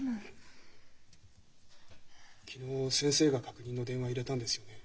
昨日先生が確認の電話入れたんですよね？